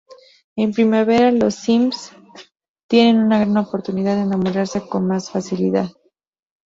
En primavera, los Sims, tienen una gran oportunidad de enamorarse con más facilidad.